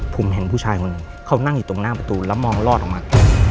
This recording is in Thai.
ผมเห็นผู้ชายคนหนึ่งเขานั่งอยู่ตรงหน้าประตูแล้วมองลอดออกมา